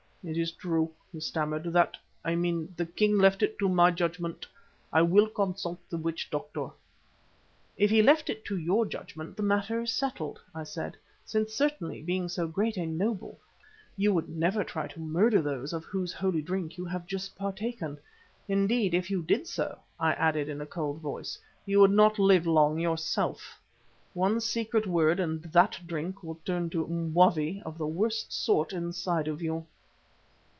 "It is true," he stammered, "that I mean, the king left it to my judgment. I will consult the witch doctor." "If he left it to your judgment, the matter is settled," I said, "since certainly, being so great a noble, you would never try to murder those of whose holy drink you have just partaken. Indeed, if you did so," I added in a cold voice, "you would not live long yourself. One secret word and that drink will turn to mwavi of the worst sort inside of you."